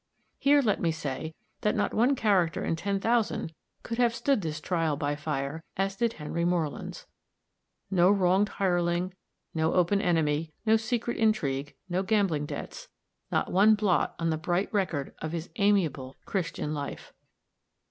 Here let me say that not one character in ten thousand could have stood this trial by fire as did Henry Moreland's. No wronged hireling, no open enemy, no secret intrigue, no gambling debts not one blot on the bright record of his amiable, Christian life.